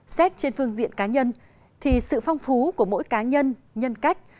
xét trên phương diện cá nhân thì sự phong phú của mỗi cá nhân nhân cách